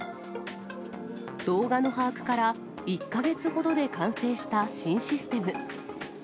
動画の把握から１か月ほどで完成した新システム。